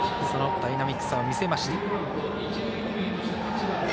そのダイナミックさを見せました。